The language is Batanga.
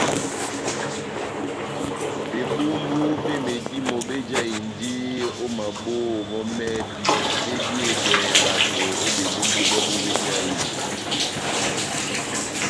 Bebumbu be medímo bejahindi o maboho mɔ mɛhɛpi mediyedɛhɛ bato o bebumbu bɛbu bejahinɔ.